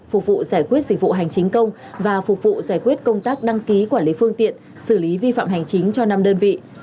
phục vụ giải quyết dịch vụ hành chính công và phục vụ giải quyết công tác đăng ký quản lý phương tiện xử lý vi phạm hành chính cho năm đơn vị